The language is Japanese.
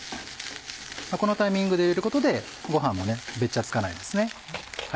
このタイミングで入れることでご飯もべちゃつかないですね。